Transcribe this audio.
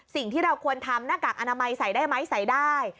สิ่งที่เราควรทำหน้ากากอนามัยใส่ได้ไหมใส่ได้